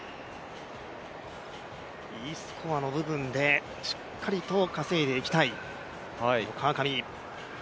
Ｅスコアの部分でしっかりと稼いでいきたい川上。